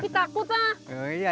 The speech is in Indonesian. tapi takut lah